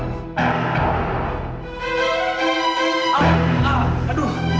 susah susah apa ben